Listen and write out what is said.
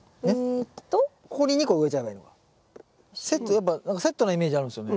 セットやっぱなんかセットなイメージあるんですよね